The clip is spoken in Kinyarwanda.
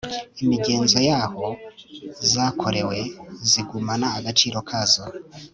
imigenzo y aho zakorewe zigumana agaciro kazo